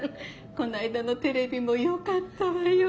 こないだのテレビもよかったわよ。